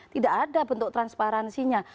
tidak ada bentuk transparansinya